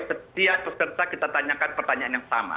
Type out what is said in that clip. setiap peserta kita tanyakan pertanyaan yang sama